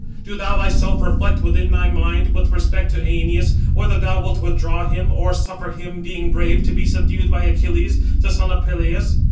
do thou thyself reflect within thy mind, with respect to Æneas, whether thou wilt withdraw him, or suffer him, being brave, to be subdued by Achilles, the son of Peleus.